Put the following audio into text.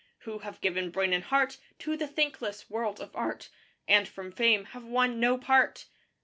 Who have given brain and heart To the thankless world of Art, And from Fame have won no part.